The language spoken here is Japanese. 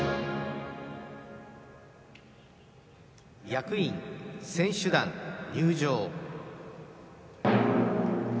役員・選手団、入場。